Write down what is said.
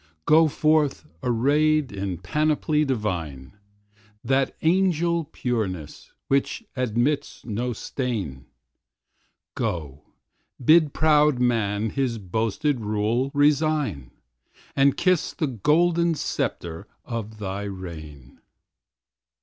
Go forth arrayed in panoply divine; That angel pureness which admits no stain; Go, bid proud Man his boasted rule resign, And kiss the golden sceptre of thy reign.